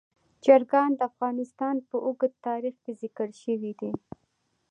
چرګان د افغانستان په اوږده تاریخ کې ذکر شوی دی.